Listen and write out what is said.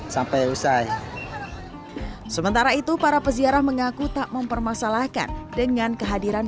sampai usai sementara itu para peziarah mengaku tak mempermasalahkan dengan kehadiran